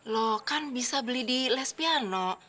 loh kan bisa beli di les piano